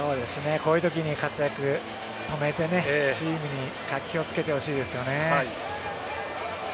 こういうときに活躍止めてチームに活気をつけてほしいですね。